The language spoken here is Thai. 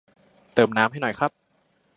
เติมน้ำให้หน่อยครับ